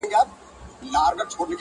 • ژوندی انسان و حرکت ته حرکت کوي.